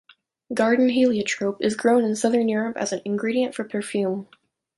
Garden heliotrope is grown in Southern Europe as an ingredient for perfume.